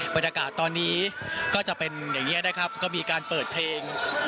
บรรยากาศตอนนี้ก็จะเป็นอย่างนี้นะครับก็มีการเปิดเพลง